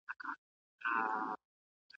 خلیفه له ځمکنیو شیانو سره سر او کار لري.